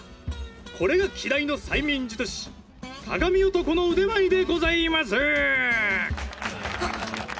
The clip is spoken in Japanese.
これが稀代の催眠術師鏡男の腕前でございます！！